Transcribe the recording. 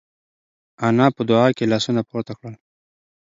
انا په دعا کې لاسونه پورته کړل.